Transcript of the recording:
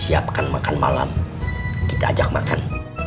siapkan makan malam kita ajak makan